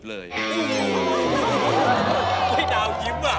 เกิดวันเสาร์ครับ